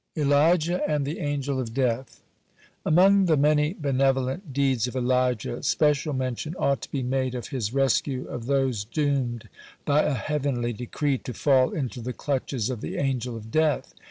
(95) ELIJAH AND THE ANGEL OF DEATH Among the many benevolent deeds of Elijah, special mention ought to be made of his rescue of those doomed by a heavenly decree to fall into the clutches of the Angel of Death.